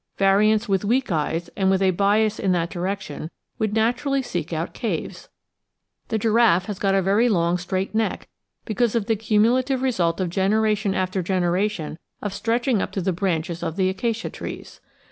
Variants with weak eyes and with a bias in that direction would naturally seek out caves. The giraffe has got a very long straight neck because of the cumulative result of generation after generation of stretching up to the branches of the acacia trees.